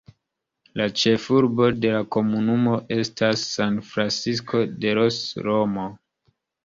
La ĉefurbo de la komunumo estas San Francisco de los Romo.